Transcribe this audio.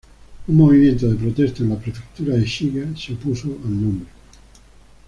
Un movimiento de protesta en la prefectura de Shiga se opuso al nombre.